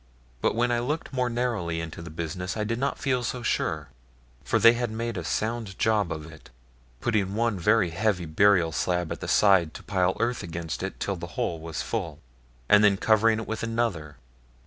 But when I looked more narrowly into the business, I did not feel so sure; for they had made a sound job of it, putting one very heavy burial slab at the side to pile earth against till the hole was full, and then covering it with another.